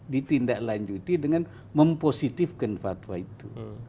ditindak lanjuti dengan mempositifkan fatwa itu